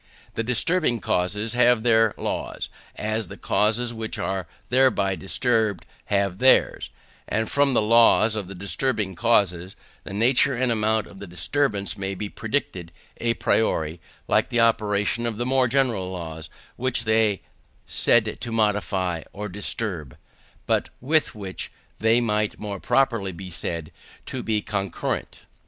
The disturbing causes have their laws, as the causes which are thereby disturbed have theirs; and from the laws of the disturbing causes, the nature and amount of the disturbance may be predicted à priori, like the operation of the more general laws which they are said to modify or disturb, but with which they might more properly be said to be concurrent.